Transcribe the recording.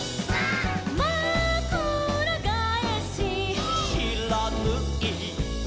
「まくらがえし」「」「しらぬい」「」